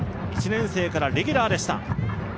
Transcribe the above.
１年生からレギュラーでした。